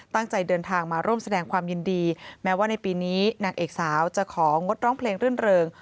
ตั้งใจเดินทางมาร่วมแสดงความยินดีแม้ว่าในปีนี้นางเอกสาวจะของงดร้องเพลงรื่นเริง